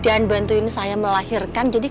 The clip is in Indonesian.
apapun yang terjadi